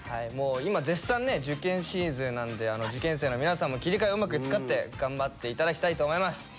もう今絶賛ね受験シーズンなんで受験生の皆さんも切り替えをうまく使って頑張って頂きたいと思います。